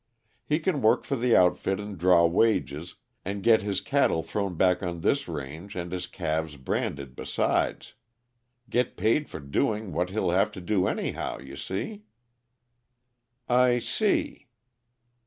He can work for the outfit and draw wages, and get his cattle thrown back on this range and his calves branded besides. Get paid for doing what he'll have to do anyhow, you see." "I see."